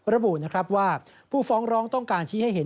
ระบุนะครับว่าผู้ฟ้องร้องต้องการชี้ให้เห็น